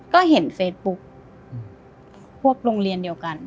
ก็เห็นเฟซบุ๊กพวกโรงเรียนเดียวกัน